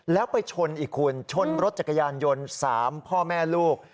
แล้วไปชนอีกคุณชนรถจักรยานยนต์๓พ่อแม่ลูก